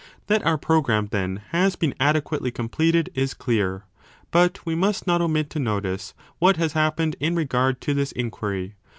1 That our programme, then, has been adequately com pleted is clear. But we must not omit to notice what has happened in regard to this inquiry.